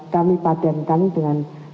kami padankan dengan